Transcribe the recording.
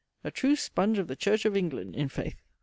a true spunge of the Church of England, i' faith.